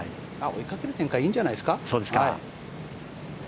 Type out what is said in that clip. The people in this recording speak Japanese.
追いかける展開、いいんじゃないですか。